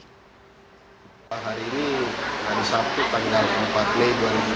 hari ini hari sabtu tanggal empat mei dua ribu dua puluh